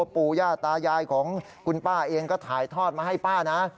ปู่ย่าตายายของคุณป้าเองก็ถ่ายทอดมาให้ป้านะ